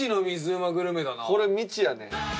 これ未知やね。